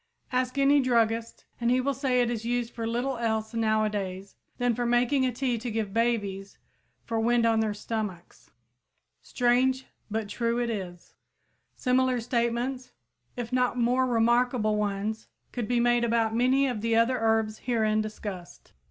Ask any druggist, and he will say it is used for little else nowadays than for making a tea to give babies for wind on their stomachs. Strange, but true it is! Similar statements if not more remarkable ones could be made about many of the other herbs herein discussed.